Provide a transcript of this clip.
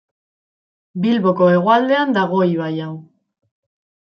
Bilboko hegoaldean dago ibai hau.